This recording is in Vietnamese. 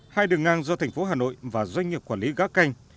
hai đường ngang do thành phố hà nội và doanh nghiệp quản lý gá canh